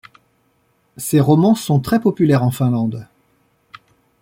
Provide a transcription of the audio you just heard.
Ses romans sont très populaires en Finlande.